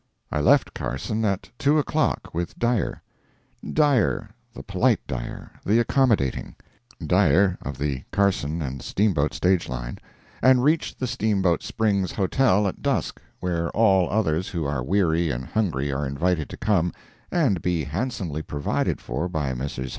I left Carson at two o'clock with Dyer—Dyer, the polite Dyer, the accommodating—Dyer, of the Carson and Steamboat stage line, and reached the Steamboat Springs Hotel at dusk, where all others who are weary and hungry are invited to come, and be handsomely provided for by Messrs.